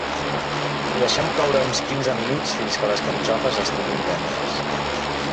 Ho deixem coure uns quinze minuts, fins que les carxofes estiguin tendres.